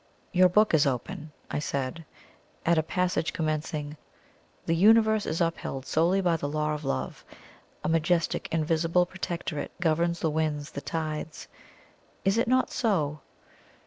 "Your book is open," I said, "at a passage commencing thus: 'The universe is upheld solely by the Law of Love. A majestic invisible Protectorate governs the winds, the tides.' Is it not so?"